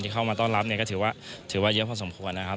เข้ามาต้อนรับเนี่ยก็ถือว่าถือว่าเยอะพอสมควรนะครับ